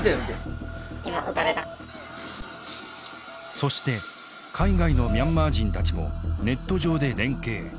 そして海外のミャンマー人たちもネット上で連携。